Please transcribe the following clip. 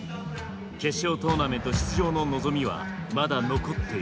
決勝トーナメント出場の望みはまだ残っている。